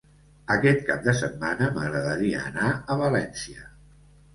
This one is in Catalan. Aquest cap de setmana m'agradaria anar a València.